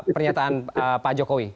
pernyataan pak jokowi